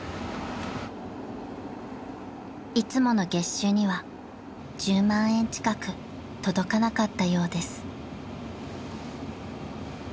［いつもの月収には１０万円近く届かなかったようです］